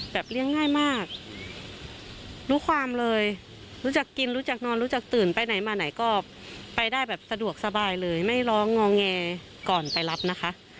เลี้ยงง่ายมากรู้ความเลยรู้จักกินรู้จักนอนรู้จักตื่นไปไหนมาไหนก็ไปได้แบบสะดวกสบายเลยไม่ร้องงอแงก่อนไปรับนะคะ